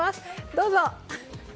どうぞ！